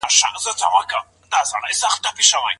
د لویې جرګي د غړو موټر چېرته درول کیږي؟